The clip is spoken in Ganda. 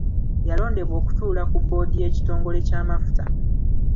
Yalondebwa okutuula ku bboodi y’ekitongole ky’amafuta.